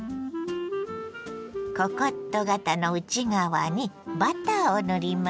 ココット型の内側にバターを塗ります。